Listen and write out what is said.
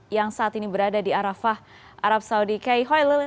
yang saat ini berada di arafah arab saudi kay hoilo